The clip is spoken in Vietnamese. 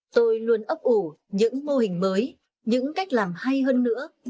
tôi luôn ấp ủ những mô hình mới những cách làm hay hơn nữa